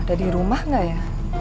ada di rumah nggak ya